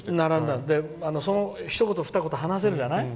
ひと言ふた言話せるじゃない？